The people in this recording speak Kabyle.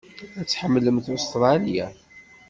Ad tḥemmlemt Ustṛalya.